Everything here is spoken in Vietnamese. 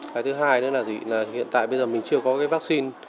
cái thứ hai nữa là hiện tại bây giờ mình chưa có cái vaccine